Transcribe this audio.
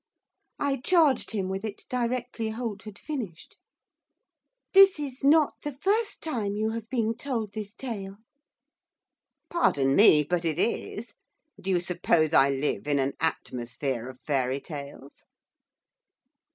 I charged him with it directly Holt had finished. 'This is not the first time you have been told this tale.' 'Pardon me, but it is. Do you suppose I live in an atmosphere of fairy tales?